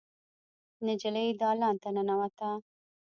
نجلۍ دالان ته ننوته.